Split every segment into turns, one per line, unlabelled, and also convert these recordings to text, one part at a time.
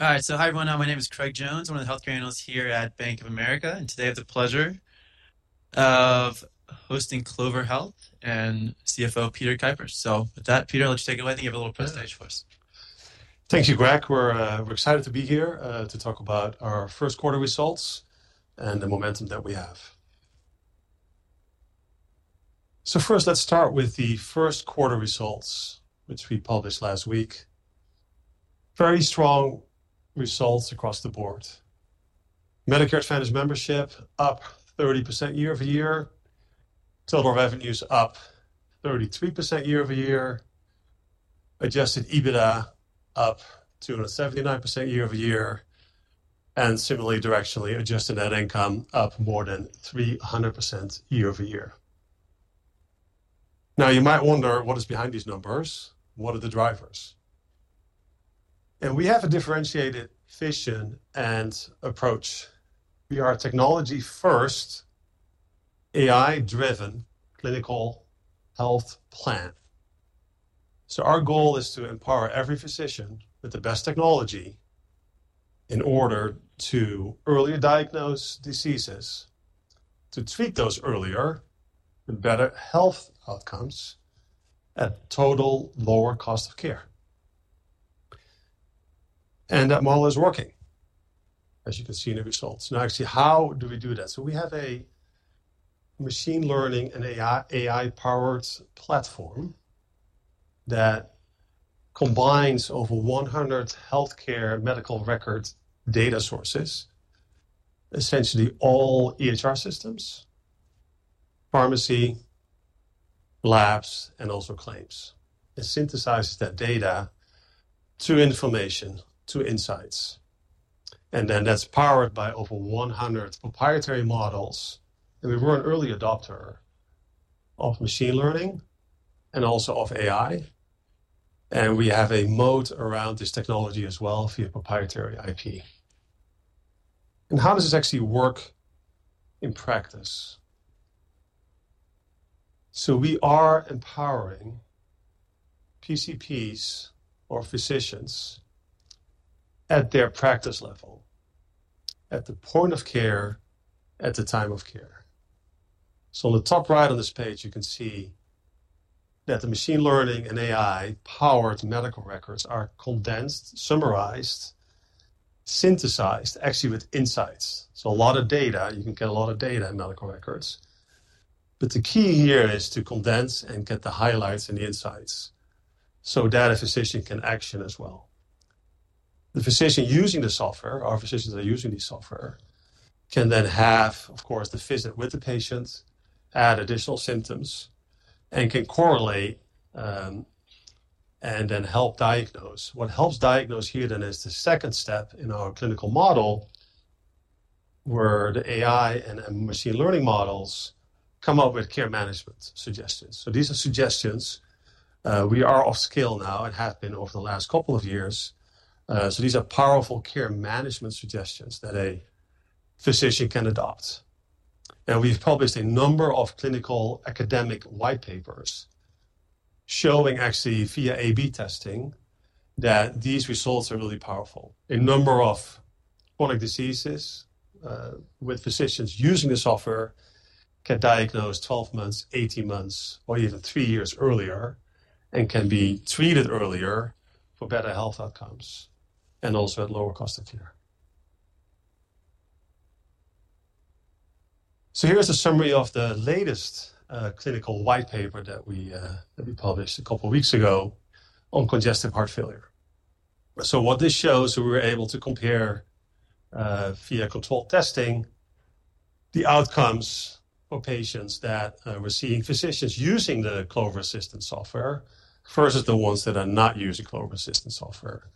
All right, so hi everyone. My name is Craig Jones. I'm one of the healthcare analysts here at Bank of America, and today I have the pleasure of hosting Clover Health and CFO Peter Kuipers. With that, Peter, let's take it away. Thank you for the little presentation for us.
Thank you, Craig. We're excited to be here to talk about our first quarter results and the momentum that we have. First, let's start with the first quarter results, which we published last week. Very strong results across the board. Medicare Advantage membership up 30% year over year. Total revenues up 33% year over year. Adjusted EBITDA up 279% year over year. Similarly, directionally, adjusted net income up more than 300% year over year. Now, you might wonder what is behind these numbers. What are the drivers? We have a differentiated vision and approach. We are a technology-first, AI-driven clinical health plan. Our goal is to empower every physician with the best technology in order to earlier diagnose diseases, to treat those earlier, and better health outcomes at total lower cost of care. That model is working, as you can see in the results. Now, actually, how do we do that? We have a machine learning and AI-powered platform that combines over 100 healthcare medical record data sources, essentially all EHR systems, pharmacy, labs, and also claims, and synthesizes that data to information, to insights. That is powered by over 100 proprietary models. We were an early adopter of machine learning and also of AI. We have a moat around this technology as well via proprietary IP. How does this actually work in practice? We are empowering PCPs or physicians at their practice level, at the point of care, at the time of care. On the top right on this page, you can see that the machine learning and AI-powered medical records are condensed, summarized, synthesized, actually with insights. A lot of data, you can get a lot of data in medical records. The key here is to condense and get the highlights and the insights so that a physician can action as well. The physician using the software, our physicians that are using the software, can then have, of course, the visit with the patient, add additional symptoms, and can correlate and then help diagnose. What helps diagnose here then is the second step in our clinical model where the AI and machine learning models come up with care management suggestions. These are suggestions. We are at scale now and have been over the last couple of years. These are powerful care management suggestions that a physician can adopt. We have published a number of clinical academic white papers showing actually via A/B testing that these results are really powerful. A number of chronic diseases with physicians using the software can diagnose 12 months, 18 months, or even three years earlier and can be treated earlier for better health outcomes and also at lower cost of care. Here is a summary of the latest clinical white paper that we published a couple of weeks ago on congestive heart failure. What this shows, we were able to compare via controlled testing the outcomes for patients that were seeing physicians using the Clover Assistant software versus the ones that are not using Clover Assistant software.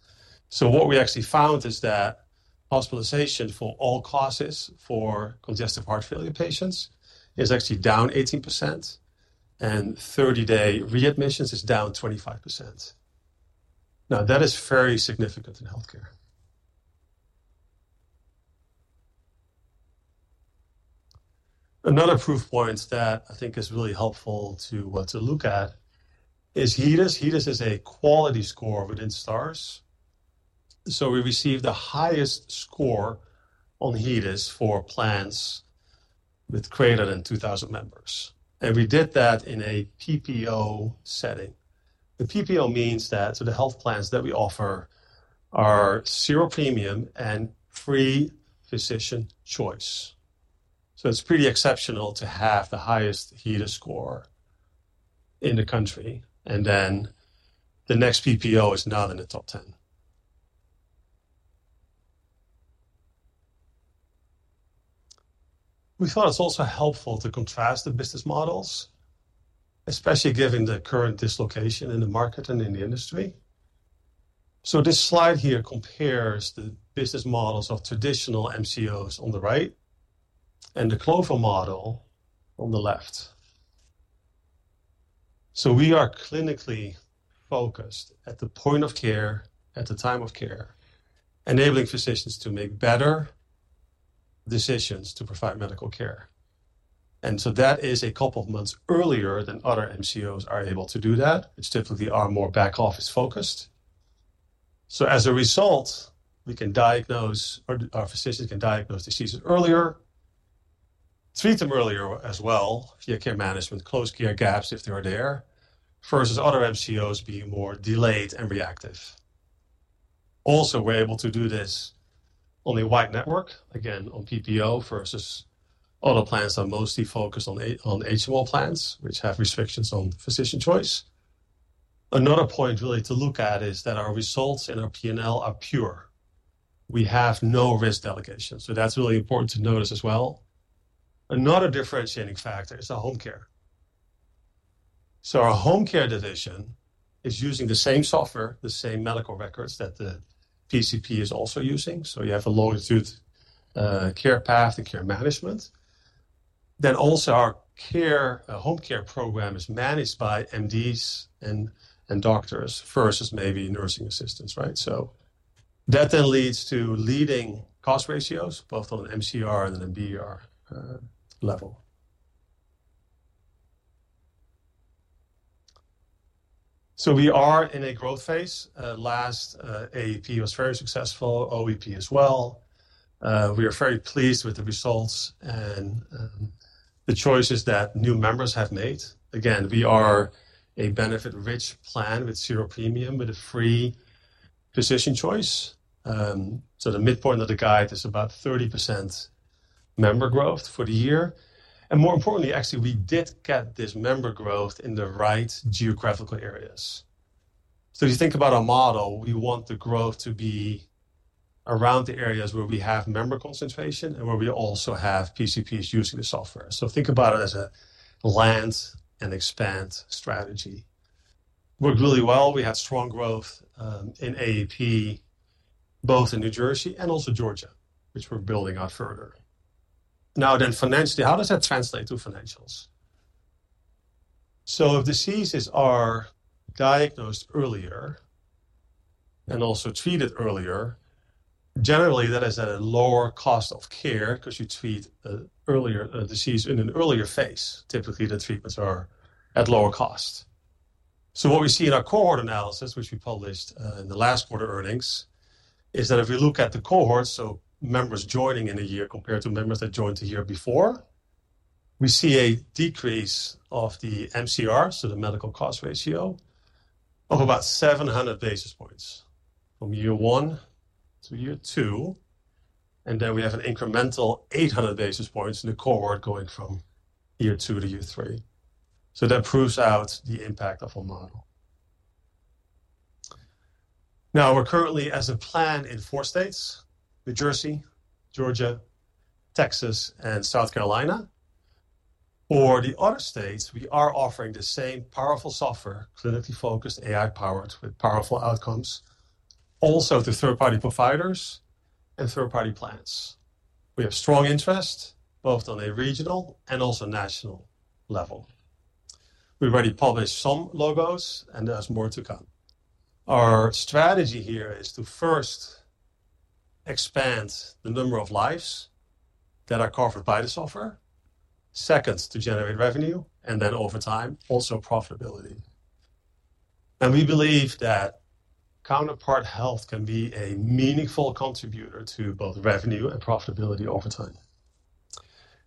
What we actually found is that hospitalization for all causes for congestive heart failure patients is actually down 18%, and 30-day readmissions is down 25%. That is very significant in healthcare. Another proof point that I think is really helpful to look at is HEDIS. HEDIS is a quality score within STARS. We received the highest score on HEDIS for plans with greater than 2,000 members. We did that in a PPO setting. The PPO means that the health plans that we offer are zero premium and free physician choice. It is pretty exceptional to have the highest HEDIS score in the country, and then the next PPO is not in the top 10. We thought it is also helpful to contrast the business models, especially given the current dislocation in the market and in the industry. This slide here compares the business models of traditional MCOs on the right and the Clover model on the left. We are clinically focused at the point of care, at the time of care, enabling physicians to make better decisions to provide medical care. That is a couple of months earlier than other MCOs are able to do that. It's typically more back office focused. As a result, we can diagnose, our physicians can diagnose diseases earlier, treat them earlier as well via care management, close care gaps if they're there, versus other MCOs being more delayed and reactive. Also, we're able to do this on a wide network, again, on PPO versus other plans that are mostly focused on HMO plans, which have restrictions on physician choice. Another point really to look at is that our results in our P&L are pure. We have no risk delegation. That's really important to notice as well. Another differentiating factor is our home care. Our home care division is using the same software, the same medical records that the PCP is also using. You have a longitudinal care path and care management. Our home care program is managed by MDs and doctors versus maybe nursing assistants, right? That then leads to leading cost ratios both on MCR and MD level. We are in a growth phase. Last AEP was very successful, OEP as well. We are very pleased with the results and the choices that new members have made. Again, we are a benefit-rich plan with zero premium with a free physician choice. The midpoint of the guide is about 30% member growth for the year. More importantly, actually, we did get this member growth in the right geographical areas. If you think about our model, we want the growth to be around the areas where we have member concentration and where we also have PCPs using the software. Think about it as a land and expand strategy. Worked really well. We had strong growth in AEP, both in New Jersey and also Georgia, which we're building out further. Now then, financially, how does that translate to financials? If diseases are diagnosed earlier and also treated earlier, generally, that is at a lower cost of care because you treat a disease in an earlier phase. Typically, the treatments are at lower cost. What we see in our cohort analysis, which we published in the last quarter earnings, is that if we look at the cohorts, so members joining in a year compared to members that joined the year before, we see a decrease of the MCR, so the medical cost ratio, of about 700 basis points from year one to year two. Then we have an incremental 800 basis points in the cohort going from year two to year three. That proves out the impact of our model. Now, we're currently as a plan in four states: New Jersey, Georgia, Texas, and South Carolina. For the other states, we are offering the same powerful software, clinically focused, AI-powered with powerful outcomes, also to third-party providers and third-party plans. We have strong interest both on a regional and also national level. We've already published some logos, and there's more to come. Our strategy here is to first expand the number of lives that are covered by the software, second, to generate revenue, and then over time, also profitability. We believe that Counterpart Health can be a meaningful contributor to both revenue and profitability over time.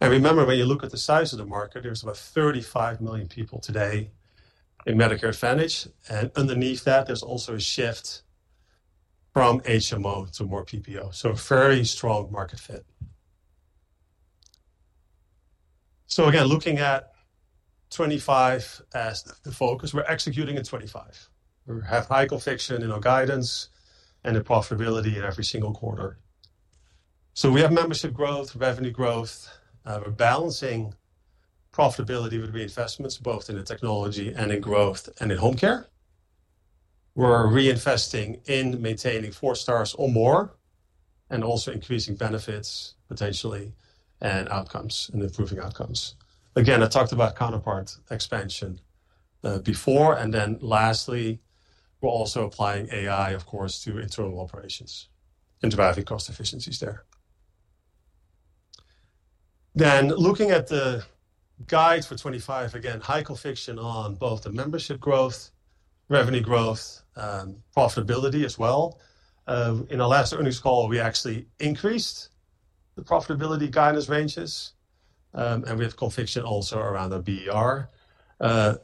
Remember, when you look at the size of the market, there's about 35 million people today in Medicare Advantage. Underneath that, there's also a shift from HMO to more PPO. Very strong market fit. Again, looking at 2025 as the focus, we're executing at 2025. We have high conviction in our guidance and the profitability in every single quarter. We have membership growth, revenue growth. We're balancing profitability with reinvestments, both in the technology and in growth and in home care. We're reinvesting in maintaining four stars or more and also increasing benefits potentially and improving outcomes. Again, I talked about counterpart expansion before. Lastly, we're also applying AI, of course, to internal operations and driving cost efficiencies there. Looking at the guide for 2025, again, high conviction on both the membership growth, revenue growth, profitability as well. In our last earnings call, we actually increased the profitability guidance ranges, and we have conviction also around the BER.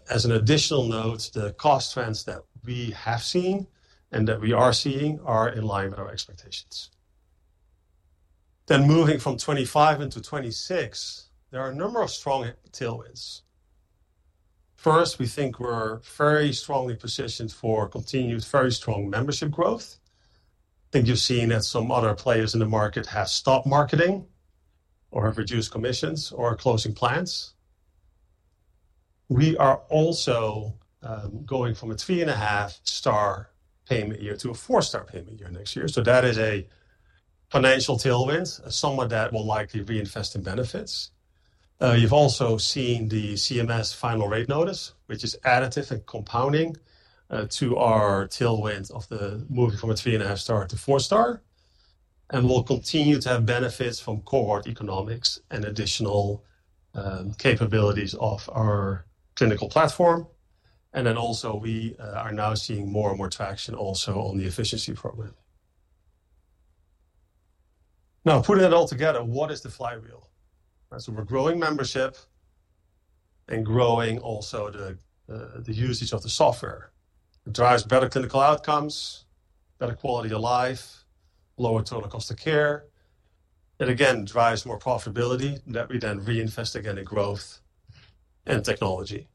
As an additional note, the cost trends that we have seen and that we are seeing are in line with our expectations. Moving from 2025 into 2026, there are a number of strong tailwinds. First, we think we're very strongly positioned for continued very strong membership growth. I think you've seen that some other players in the market have stopped marketing or have reduced commissions or are closing plans. We are also going from a three-and-a-half-star payment year to a four-star payment year next year. That is a financial tailwind, somewhat that will likely reinvest in benefits. You've also seen the CMS final rate notice, which is additive and compounding to our tailwind of moving from a three-and-a-half-star to four-star. We will continue to have benefits from cohort economics and additional capabilities of our clinical platform. We are now seeing more and more traction also on the efficiency program. Now, putting it all together, what is the flywheel? We are growing membership and growing also the usage of the software. It drives better clinical outcomes, better quality of life, lower total cost of care. It again drives more profitability that we then reinvest again in growth and technology.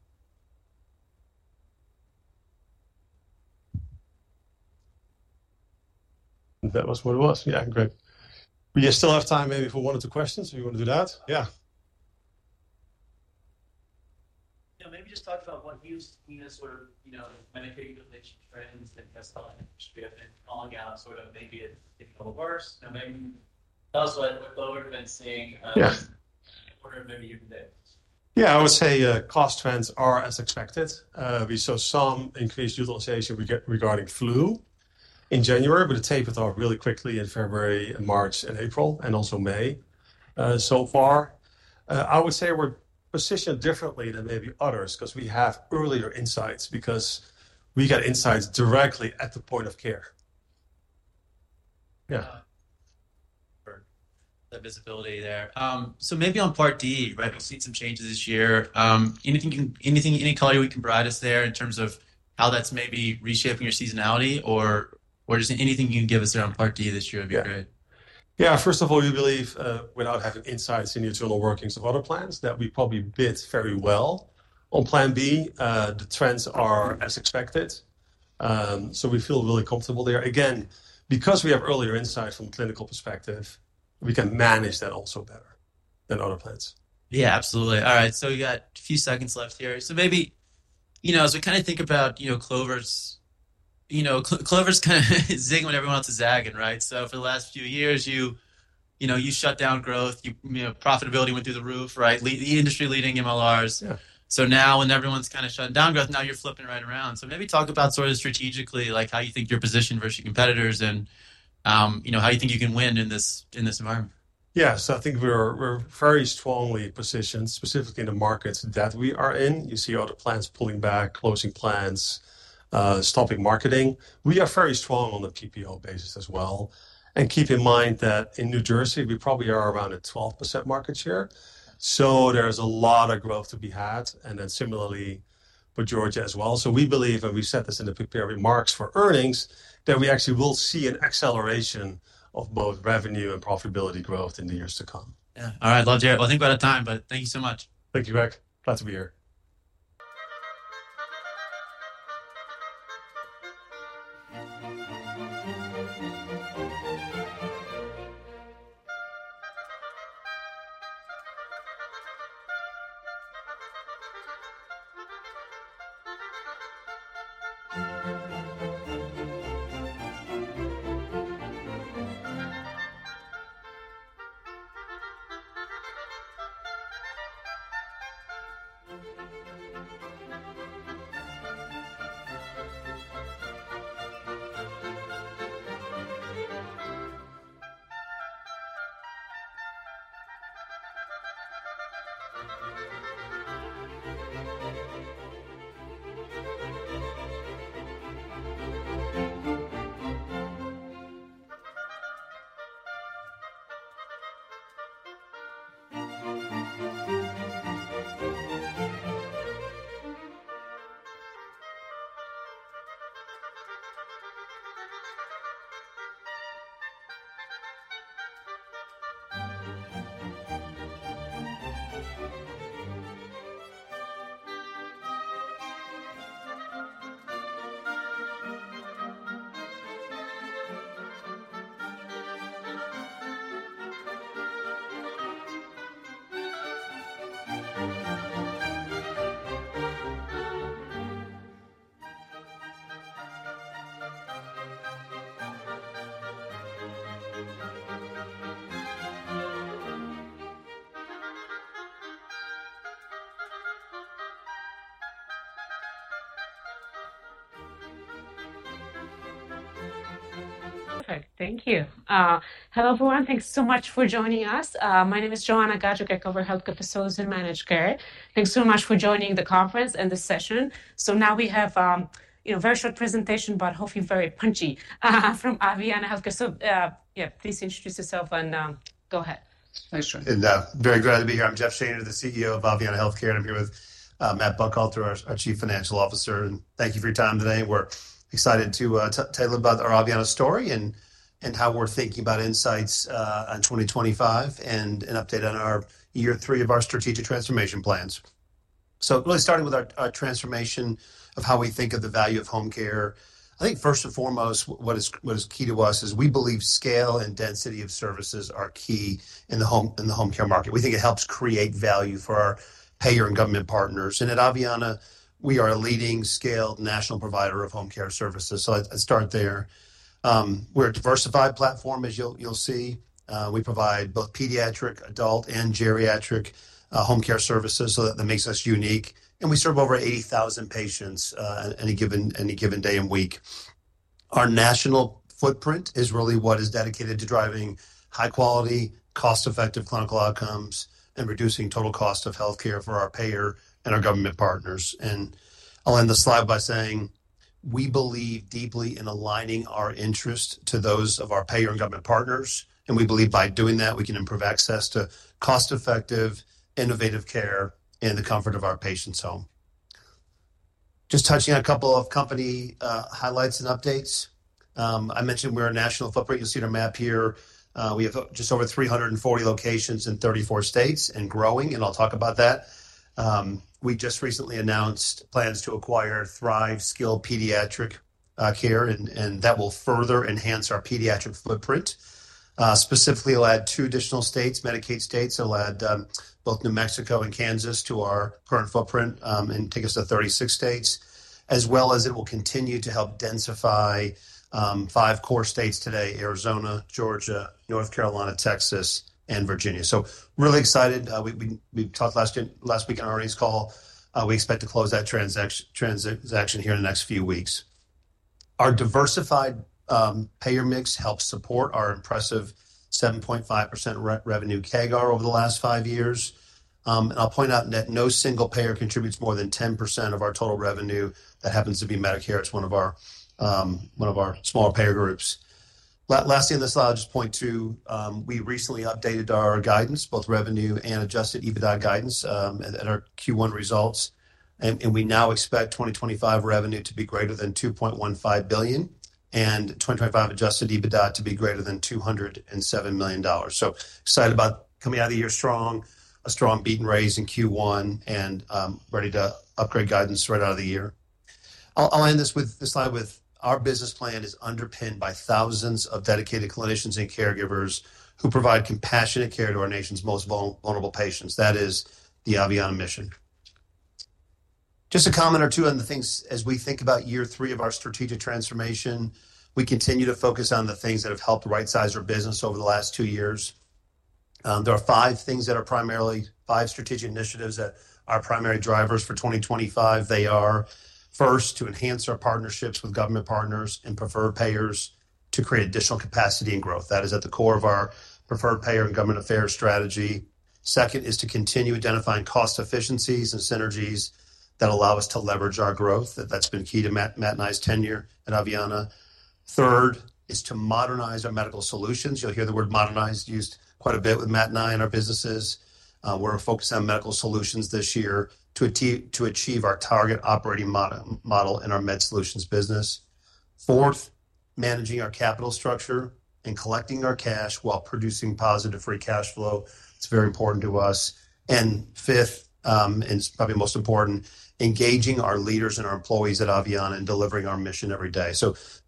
That was what it was. Yeah, great. We still have time maybe for one or two questions. We want to do that. Yeah.
Maybe just talk about what you've seen as sort of the Medicaid relationship trends in the healthcare industry have been calling out, sort of maybe a little worse. Maybe tell us what Clover Health has been seeing over maybe even the day.
I would say cost trends are as expected. We saw some increased utilization regarding flu in January, but it tapered off really quickly in February, March, and April, and also May so far. I would say we're positioned differently than maybe others because we have earlier insights because we got insights directly at the point of care. Yeah.
The visibility there. Maybe on Part D, right, we've seen some changes this year. Anything, any color you can provide us there in terms of how that's maybe reshaping your seasonality or just anything you can give us there on Part D this year would be great.
Yeah, first of all, we believe without having insights into the internal workings of other plans that we probably bid very well. On Part D, the trends are as expected. We feel really comfortable there. Again, because we have earlier insight from a clinical perspective, we can manage that also better than other plans.
Yeah, absolutely. All right. We got a few seconds left here. Maybe, you know, as we kind of think about, you know, Clover's, you know, Clover's kind of zigging when everyone else is zagging, right? For the last few years, you, you know, you shut down growth, your profitability went through the roof, right? The industry leading MLRs. Now when everyone's kind of shutting down growth, now you're flipping right around. Maybe talk about sort of strategically, like how you think you're positioned versus your competitors and, you know, how you think you can win in this environment.
Yeah, I think we're very strongly positioned specifically in the markets that we are in. You see all the plans pulling back, closing plans, stopping marketing. We are very strong on the PPO basis as well. Keep in mind that in New Jersey, we probably are around a 12% market share. There is a lot of growth to be had. Similarly for Georgia as well. We believe, and we have said this in the prepared remarks for earnings, that we actually will see an acceleration of both revenue and profitability growth in the years to come.
All right, Peter. I think we are out of time, but thank you so much.
Thank you, Craig. Glad to be here.
Thank you. Hello everyone. Thanks so much for joining us. My name is Joanna Gajuk, I cover Healthcare Facilities and Managed Care. Thanks so much for joining the conference and the session. Now we have a very short presentation, but hopefully very punchy from Aveanna Healthcare. Yeah, please introduce yourself and go ahead.
Thanks, Joanna. Very glad to be here. I'm Jeff Shaner, the CEO of Aveanna Healthcare. I'm here with Matt Buckhalter, our Chief Financial Officer. Thank you for your time today. We're excited to tell you a little bit about our Aveanna story and how we're thinking about insights on 2025 and an update on year three of our strategic transformation plans. Really starting with our transformation of how we think of the value of home care, I think first and foremost, what is key to us is we believe scale and density of services are key in the home care market. We think it helps create value for our payer and government partners. At Aveanna, we are a leading scaled national provider of home care services. I'd start there. We're a diversified platform, as you'll see. We provide both pediatric, adult, and geriatric home care services, so that makes us unique. We serve over 80,000 patients any given day and week. Our national footprint is really what is dedicated to driving high-quality, cost-effective clinical outcomes and reducing total cost of healthcare for our payer and our government partners. I'll end the slide by saying we believe deeply in aligning our interests to those of our payer and government partners. We believe by doing that, we can improve access to cost-effective, innovative care in the comfort of our patients' home. Just touching on a couple of company highlights and updates. I mentioned we're a national footprint. You'll see our map here. We have just over 340 locations in 34 states and growing, and I'll talk about that. We just recently announced plans to acquire Thrive Skilled Pediatric Care, and that will further enhance our pediatric footprint. Specifically, it'll add two additional states, Medicaid states. It'll add both New Mexico and Kansas to our current footprint and take us to 36 states, as well as it will continue to help densify five core states today: Arizona, Georgia, North Carolina, Texas, and Virginia. Really excited. We talked last week on our earnings call. We expect to close that transaction here in the next few weeks. Our diversified payer mix helps support our impressive 7.5% revenue CAGR over the last five years. I'll point out that no single payer contributes more than 10% of our total revenue. That happens to be Medicare. It's one of our smaller payer groups. Lastly, on this slide, I'll just point to we recently updated our guidance, both revenue and adjusted EBITDA guidance at our Q1 results. We now expect 2025 revenue to be greater than $2.15 billion and 2025 adjusted EBITDA to be greater than $207 million. Excited about coming out of the year strong, a strong beat and raise in Q1, and ready to upgrade guidance right out of the year. I'll end this slide with our business plan is underpinned by thousands of dedicated clinicians and caregivers who provide compassionate care to our nation's most vulnerable patients. That is the Aveanna mission. Just a comment or two on the things as we think about year three of our strategic transformation. We continue to focus on the things that have helped right-size our business over the last two years. There are five things that are primarily five strategic initiatives that are primary drivers for 2025. They are first, to enhance our partnerships with government partners and preferred payers to create additional capacity and growth. That is at the core of our preferred payer and government affairs strategy. Second is to continue identifying cost efficiencies and synergies that allow us to leverage our growth. That's been key to Matt and I's tenure at Aveanna. Third is to modernize our medical solutions. You'll hear the word modernized used quite a bit with Matt and I in our businesses. We're focused on medical solutions this year to achieve our target operating model in our med solutions business. Fourth, managing our capital structure and collecting our cash while producing positive free cash flow. It's very important to us. Fifth, and it's probably most important, engaging our leaders and our employees at Aveanna and delivering our mission every day.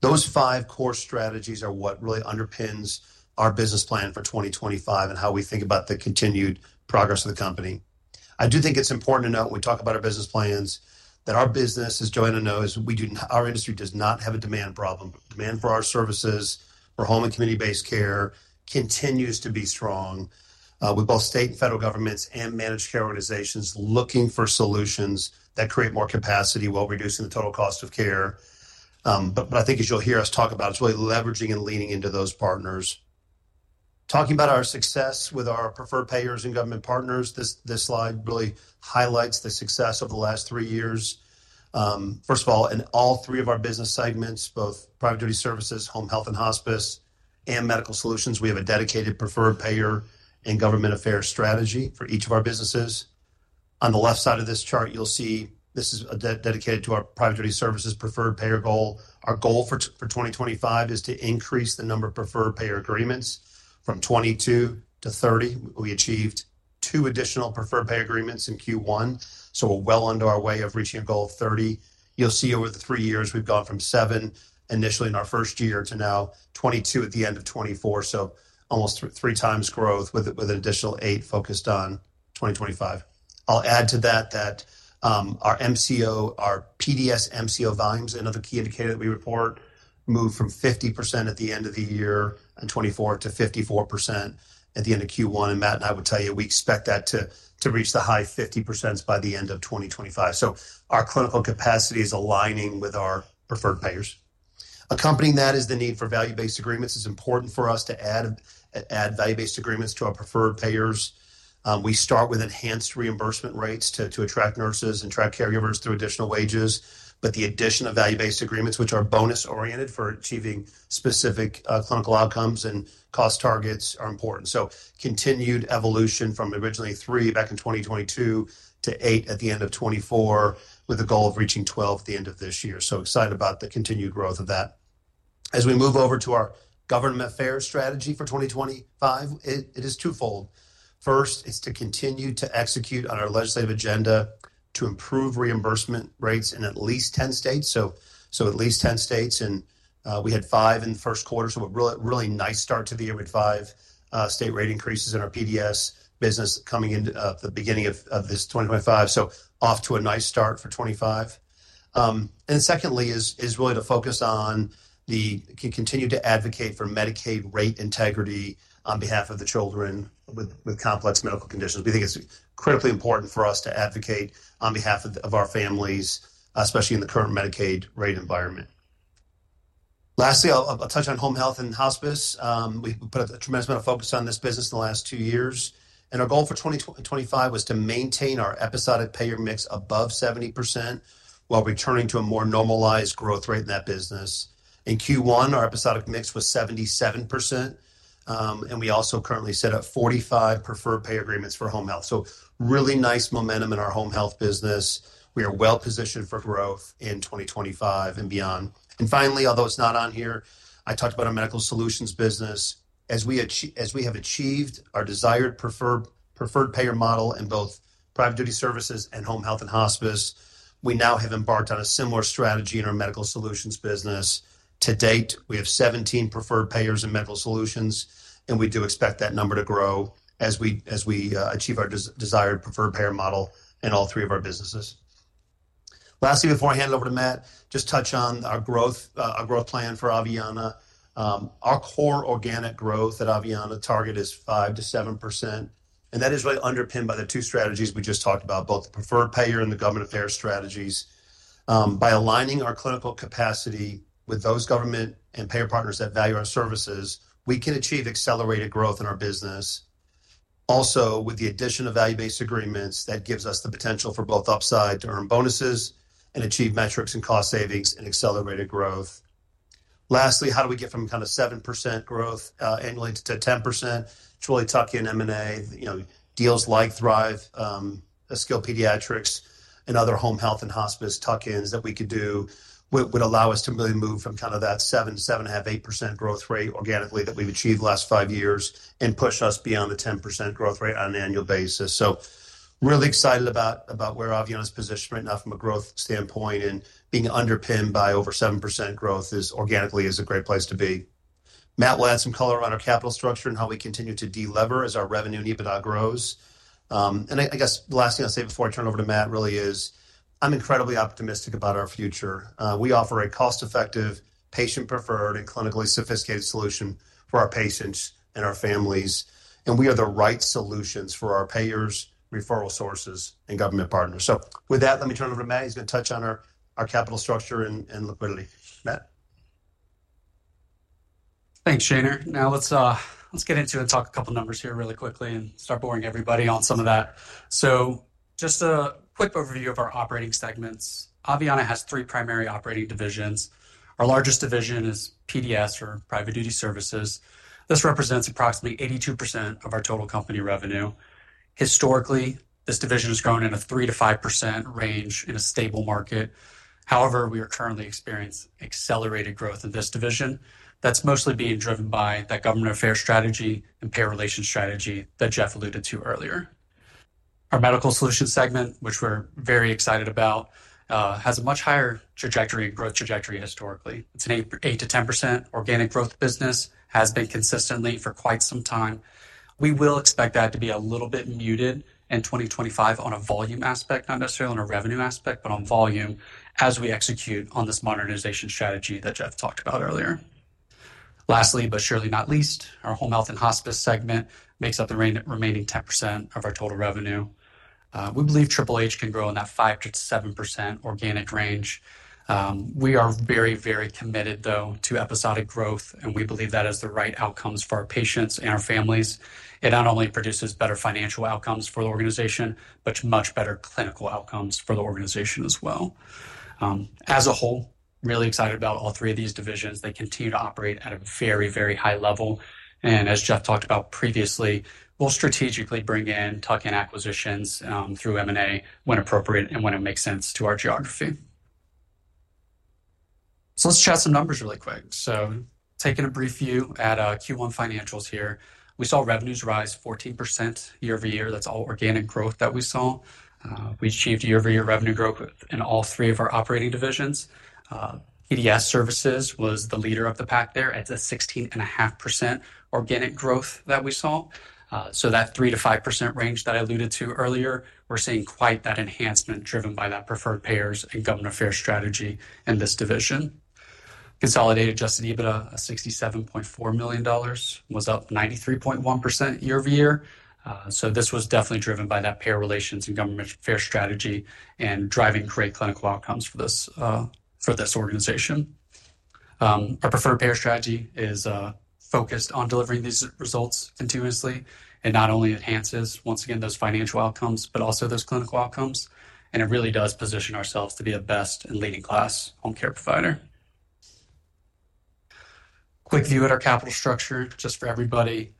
Those five core strategies are what really underpins our business plan for 2025 and how we think about the continued progress of the company. I do think it's important to note when we talk about our business plans that our business, as Joanna knows, our industry does not have a demand problem. Demand for our services for home and community-based care continues to be strong with both state and federal governments and managed care organizations looking for solutions that create more capacity while reducing the total cost of care. I think, as you'll hear us talk about, it's really leveraging and leaning into those partners. Talking about our success with our preferred payers and government partners, this slide really highlights the success of the last three years. First of all, in all three of our business segments, both private duty services, home health and hospice, and medical solutions, we have a dedicated preferred payer and government affairs strategy for each of our businesses. On the left side of this chart, you'll see this is dedicated to our private duty services preferred payer goal. Our goal for 2025 is to increase the number of preferred payer agreements from 22 to 30. We achieved two additional preferred payer agreements in Q1. So we're well under our way of reaching a goal of 30. You'll see over the three years we've gone from seven initially in our first year to now 22 at the end of 2024. So almost three times growth with an additional eight focused on 2025. I'll add to that that our PDS MCO volumes, another key indicator that we report, moved from 50% at the end of the year in 2024 to 54% at the end of Q1. Matt and I will tell you, we expect that to reach the high 50% by the end of 2025. Our clinical capacity is aligning with our preferred payers. Accompanying that is the need for value-based agreements. It's important for us to add value-based agreements to our preferred payers. We start with enhanced reimbursement rates to attract nurses and attract caregivers through additional wages. The addition of value-based agreements, which are bonus-oriented for achieving specific clinical outcomes and cost targets, are important. Continued evolution from originally three back in 2022 to eight at the end of 2024 with a goal of reaching twelve at the end of this year. Excited about the continued growth of that. As we move over to our government affairs strategy for 2025, it is twofold. First, it is to continue to execute on our legislative agenda to improve reimbursement rates in at least 10 states. At least 10 states. We had five in the first quarter. A really nice start to the year with five state rate increases in our PDS business coming into the beginning of this 2025. Off to a nice start for 2025. Secondly, it is really to focus on the continue to advocate for Medicaid rate integrity on behalf of the children with complex medical conditions. We think it is critically important for us to advocate on behalf of our families, especially in the current Medicaid rate environment. Lastly, I will touch on home health and hospice. We put a tremendous amount of focus on this business in the last two years. Our goal for 2025 was to maintain our episodic payer mix above 70% while returning to a more normalized growth rate in that business. In Q1, our episodic mix was 77%. We also currently set up 45 preferred payer agreements for home health. Really nice momentum in our home health business. We are well positioned for growth in 2025 and beyond. Finally, although it's not on here, I talked about our medical solutions business. As we have achieved our desired preferred payer model in both private duty services and home health and hospice, we now have embarked on a similar strategy in our medical solutions business. To date, we have 17 preferred payers in medical solutions, and we do expect that number to grow as we achieve our desired preferred payer model in all three of our businesses. Lastly, before I hand it over to Matt, just touch on our growth plan for Aveanna. Our core organic growth at Aveanna target is 5%-7%. And that is really underpinned by the two strategies we just talked about, both the preferred payer and the government affairs strategies. By aligning our clinical capacity with those government and payer partners that value our services, we can achieve accelerated growth in our business. Also, with the addition of value-based agreements, that gives us the potential for both upside to earn bonuses and achieve metrics and cost savings and accelerated growth. Lastly, how do we get from kind of 7% growth annually to 10%? It's really tucking in M&A, deals like Thrive Skilled Pediatric Care, and other home health and hospice tuck-ins that we could do would allow us to really move from kind of that 7-7.5-8% growth rate organically that we've achieved the last five years and push us beyond the 10% growth rate on an annual basis. Really excited about where Aveanna's position right now from a growth standpoint and being underpinned by over 7% growth organically is a great place to be. Matt will add some color on our capital structure and how we continue to de-lever as our revenue and EBITDA grows. I guess the last thing I'll say before I turn over to Matt really is I'm incredibly optimistic about our future. We offer a cost-effective, patient-preferred, and clinically sophisticated solution for our patients and our families. We are the right solutions for our payers, referral sources, and government partners. With that, let me turn it over to Matt. He's going to touch on our capital structure and liquidity. Matt.
Thanks, Shaner. Now let's get into it and talk a couple of numbers here really quickly and start boring everybody on some of that. Just a quick overview of our operating segments. Aveanna has three primary operating divisions. Our largest division is PDS or private duty services. This represents approximately 82% of our total company revenue. Historically, this division has grown in a 3-5% range in a stable market. However, we are currently experiencing accelerated growth in this division. That's mostly being driven by that government affairs strategy and payer relation strategy that Jeff alluded to earlier. Our medical solution segment, which we're very excited about, has a much higher trajectory and growth trajectory historically. It's an 8-10% organic growth business, has been consistently for quite some time. We will expect that to be a little bit muted in 2025 on a volume aspect, not necessarily on a revenue aspect, but on volume as we execute on this modernization strategy that Jeff talked about earlier. Lastly, but surely not least, our home health and hospice segment makes up the remaining 10% of our total revenue. We believe can grow in that 5-7% organic range. We are very, very committed, though, to episodic growth, and we believe that has the right outcomes for our patients and our families. It not only produces better financial outcomes for the organization, but much better clinical outcomes for the organization as well. As a whole, really excited about all three of these divisions. They continue to operate at a very, very high level. As Jeff talked about previously, we'll strategically bring in tuck-in acquisitions through M&A when appropriate and when it makes sense to our geography. Let's chat some numbers really quick. Taking a brief view at Q1 financials here, we saw revenues rise 14% year over year. That's all organic growth that we saw. We achieved year-over-year revenue growth in all three of our operating divisions. PDS services was the leader of the pack there at the 16.5% organic growth that we saw. That 3-5% range that I alluded to earlier, we're seeing quite that enhancement driven by that preferred payers and government affairs strategy in this division. Consolidated adjusted EBITDA of $67.4 million was up 93.1% year over year. This was definitely driven by that payer relations and government affairs strategy and driving great clinical outcomes for this organization. Our preferred payer strategy is focused on delivering these results continuously. It not only enhances, once again, those financial outcomes, but also those clinical outcomes. It really does position ourselves to be a best and leading-class home care provider. Quick view at our capital structure just for everybody.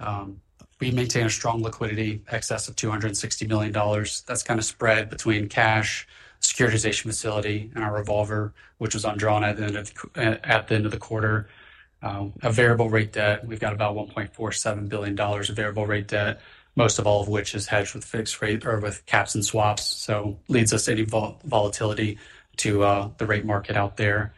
We maintain a strong liquidity excess of $260 million. That is kind of spread between cash, securitization facility, and our revolver, which was undrawn at the end of the quarter. A variable rate debt, we have got about $1.47 billion of variable rate debt, most of all of which is hedged with fixed rate or with caps and swaps. Leads us to any volatility to the rate market out there.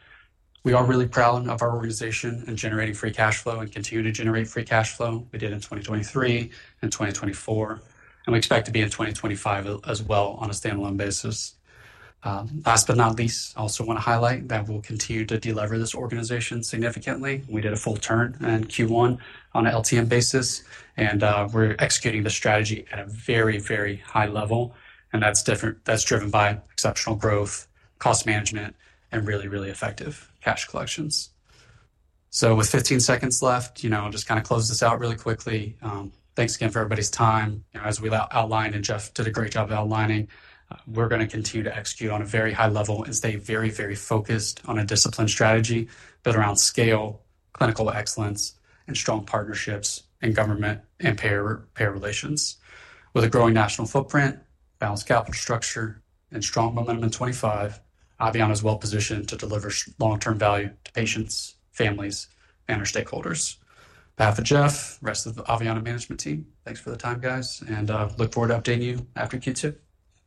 We are really proud of our organization and generating free cash flow and continue to generate free cash flow. We did in 2023 and 2024. We expect to be in 2025 as well on a standalone basis. Last but not least, I also want to highlight that we will continue to deliver this organization significantly. We did a full turn in Q1 on an LTM basis. We are executing the strategy at a very, very high level. That is driven by exceptional growth, cost management, and really, really effective cash collections. With 15 seconds left, I will just kind of close this out really quickly. Thanks again for everybody's time. As we outlined and Jeff did a great job of outlining, we're going to continue to execute on a very high level and stay very, very focused on a disciplined strategy built around scale, clinical excellence, and strong partnerships in government and payer relations. With a growing national footprint, balanced capital structure, and strong momentum in 2025, Aveanna is well positioned to deliver long-term value to patients, families, and our stakeholders. Jeff, rest of the Aveanna management team, thanks for the time, guys. I look forward to updating you after Q2.